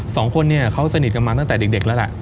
สองคนเนี่ยเขาสนิทกันมาตั้งแต่เด็กแล้วล่ะ